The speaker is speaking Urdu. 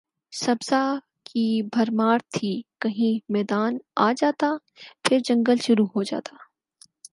سبزہ کی بھرمار تھی کہیں میدان آ جاتا پھر جنگل شروع ہو جاتا